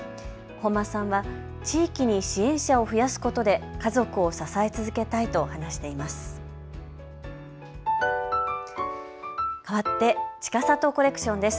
本間さんは地域に支援者を増やすことで家族を支え続けたいと話しています。